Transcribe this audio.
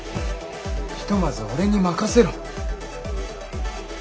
ひとまず俺に任せろ。